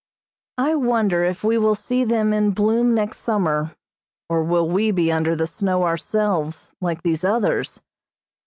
I wonder if we will see them in bloom next summer, or will we be under the snow ourselves like these others.